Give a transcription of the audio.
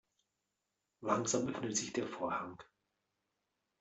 Langsam öffnet sich der Vorhang.